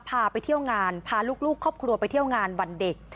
พาไปเที่ยวงานพาลูกครอบครัวไปเที่ยวงานวันเด็ก